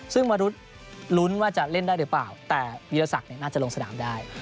ซึ่งมนุษย์ลุ้นว่าจะเล่นได้หรือเปล่าแต่วีรศักดิ์น่าจะลงสนามได้